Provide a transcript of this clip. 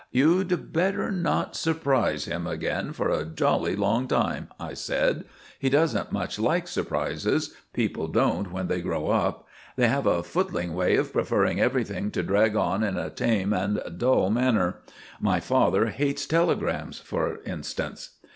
"You'd better not surprise him again for a jolly long time," I said. "He doesn't much like surprises—people don't when they grow up. They have a footling way of preferring everything to drag on in a tame and dull manner. My father hates telegrams, for instance."